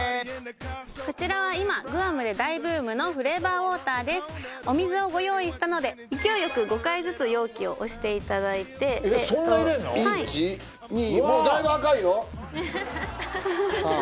こちらは今グアムで大ブームのフレーバーウォーターですお水をご用意したので勢いよく５回ずつ容器を押していただいてそんな入れんの？